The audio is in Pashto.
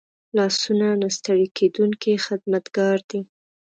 لاسونه نه ستړي کېدونکي خدمتګار دي